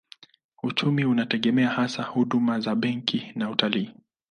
Uchumi unategemea hasa huduma za benki na utalii.